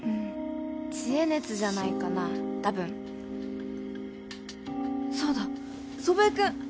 知恵熱じゃないかな多分そうだ祖父江君！